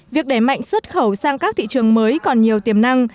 việc đẩy mạnh xuất khẩu sang các thị trường mới còn nhiều tiềm năng